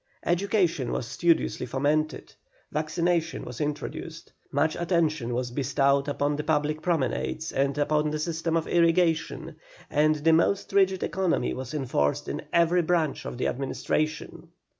Education was studiously fomented, vaccination was introduced, much attention was bestowed upon the public promenades and upon the system of irrigation, and the most rigid economy was enforced in every branch of the administration.